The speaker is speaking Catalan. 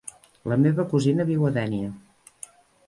La meva cosina viu a Dénia.